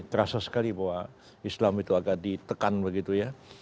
terasa sekali bahwa islam itu agak ditekan begitu ya